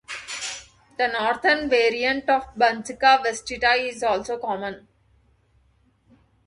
The northern variant of "Banksia vestita" is also common.